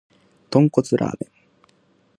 豚骨ラーメン